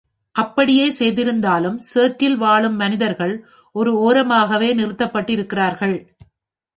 அப்படியே செய்திருந்தாலும் சேற்றில் வாழும் மனிதர்கள் ஒரு ஓரமாகவே நிறுத்தப்பட்டு இருக்கிறார்கள்.